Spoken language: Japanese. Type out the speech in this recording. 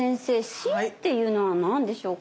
心っていうのは何でしょうか？